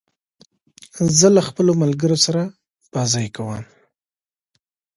زه له خپلو ملګرو سره بازۍ کوم.